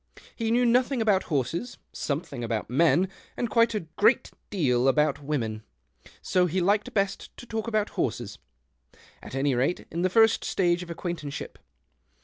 He knew nothing about horses, something about men, and quite a great deal about women ; so he liked best to talk about horses — at any rate, in the first stage of acquaintanceship.